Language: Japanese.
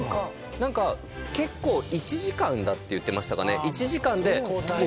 何か結構１時間だって言ってましたかね。